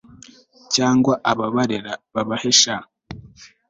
cyangwa ababarera babahesha